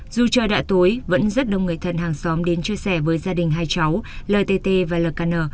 dù trời đã tối vẫn rất đông người thân hàng xóm đến chia sẻ với gia đình hai cháu ltt và lkn